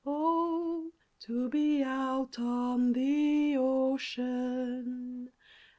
Oh, to be out on the Ocean!